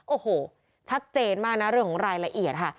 โอ้โหชัดเจนมากนะเรื่องของรายละเอียดค่ะ